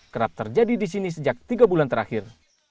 kerap terjadi di sini sejak tiga bulan terakhir